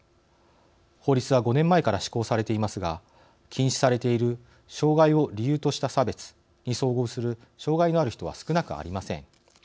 法律は５年前から施行されていますが禁止されている障害を理由とした差別に遭遇する障害のある人は少なくありません。